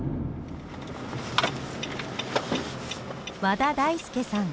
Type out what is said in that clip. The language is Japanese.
和田大輔さん。